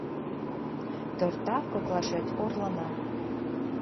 Торта коклашет орлана.